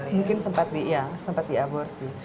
mungkin sempat di aborsi